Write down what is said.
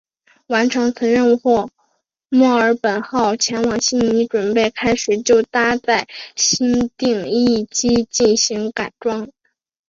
完成此任务后墨尔本号前往悉尼准备开始就搭载新定翼机进行改装。